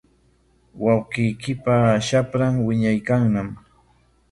Wawqiykipa shapran wiñaykanñam.